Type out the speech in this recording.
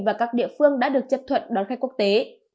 và các địa phương đã được chấp thuận đón khách quốc tế